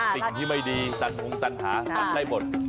สิ่งที่ไม่ดีตันหงสัญหาตัดได้หมด